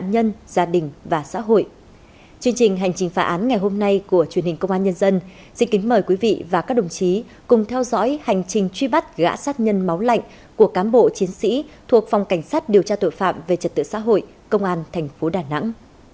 chương trình hành trình phá án ngày hôm nay của truyền hình công an nhân dân xin kính mời quý vị và các đồng chí cùng theo dõi hành trình truy bắt gã sát nhân máu lạnh của cám bộ chiến sĩ thuộc phòng cảnh sát điều tra tội phạm về trật tự xã hội công an thành phố đà nẵng